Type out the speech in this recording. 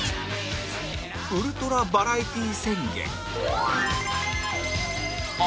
ウルトラバラエティー宣言